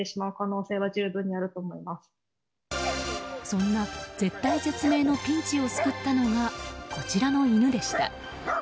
そんな絶体絶命のピンチを救ったのがこちらのイヌでした。